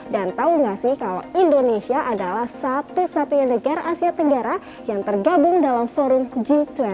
dan tau gak sih kalau indonesia adalah satu satunya negara asia tenggara yang tergabung dalam forum g dua puluh